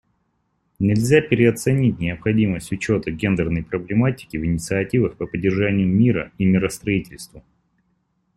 Нельзя переоценить необходимость учета гендерной проблематики в инициативах по поддержанию мира и миростроительству.